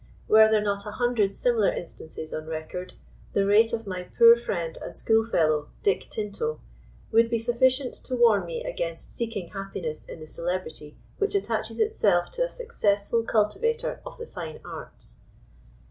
Were there not a hundred similar instances on record, the rate of my poor friend and school fellow, Dick Tinto, would be sufficient to warn me against seeking happiness in the celebrity which attaches itself to a successful cultivator of the fine arts.